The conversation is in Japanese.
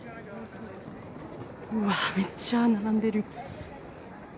めっちゃ並んでる。